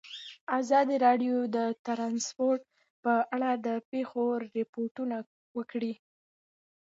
ازادي راډیو د ترانسپورټ په اړه د پېښو رپوټونه ورکړي.